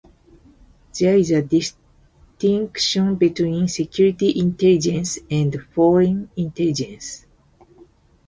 There is a distinction between "security intelligence" and "foreign intelligence".